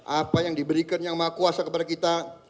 apa yang diberikan yang maha kuasa kepada kita